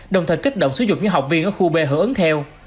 đồng thời kích động sử dụng những học viên ở khu b hưởng ứng theo